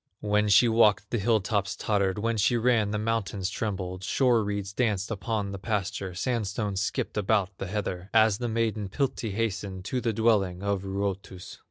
When she walked the hill tops tottered, When she ran the mountains trembled; Shore reeds danced upon the pasture, Sandstones skipped about the heather As the maiden, Piltti, hastened To the dwelling of Ruotus.